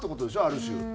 ある種。